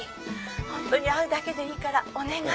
「本当に会うだけでいいからお願い」